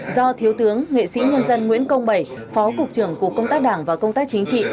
do thiếu tướng nghệ sĩ nhân dân nguyễn công bảy phó cục trưởng cục công tác đảng và công tác chính trị